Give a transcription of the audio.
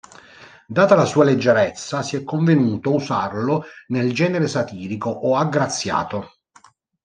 Data la sua leggerezza, si è convenuto usarlo nel genere satirico o "aggraziato".